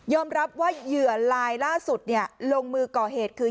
รับว่าเหยื่อลายล่าสุดลงมือก่อเหตุคือ